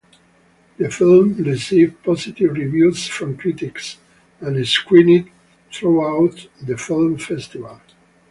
The film received positive reviews from critics and screened throughout the film festivals.